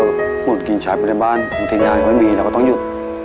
พอหมดกินใช้ไฟล่ะบ้านทำทีงานก็ไม่มีแล้วก็ต้องหยุด